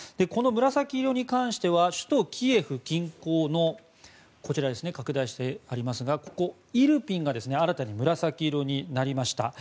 この紫色に関しては首都キエフ近郊のこちら、拡大してありますがここ、イルピンが新たに紫色になりました。